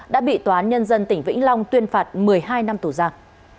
đã bị tòa nhân dân tỉnh vĩnh long tuyên phạt một mươi hai năm tù giặc